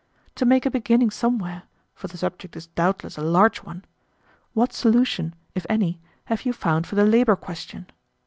To make a beginning somewhere, for the subject is doubtless a large one, what solution, if any, have you found for the labor question?